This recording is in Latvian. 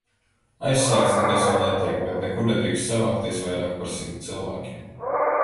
Aizslēgts nekas vēl netiek, bet nekur nedrīkst savākties vairāk par simt cilvēkiem.